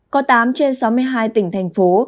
có tám trên sáu mươi hai tỉnh thành phố